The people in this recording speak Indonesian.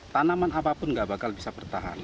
tanaman apapun nggak bakal bisa bertahan